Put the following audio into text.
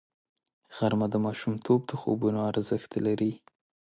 غرمه د ماشومتوب د خوبونو ارزښت لري